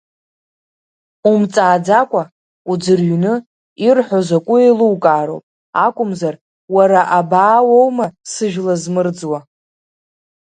Умҵааӡакәа, уӡырҩны, ирҳәо закәу еилукаалароуп, акәымзар уара абаа уоума сыжәла змырӡуа?